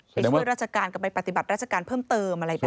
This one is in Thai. ไปช่วยราชการกลับไปปฏิบัติราชการเพิ่มเติมอะไรแบบนี้